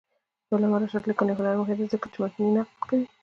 د علامه رشاد لیکنی هنر مهم دی ځکه چې متني نقد کوي.